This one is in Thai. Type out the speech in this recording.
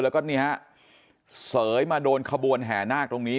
แล้วก็นี่ฮะเสยมาโดนขบวนแห่นาคตรงนี้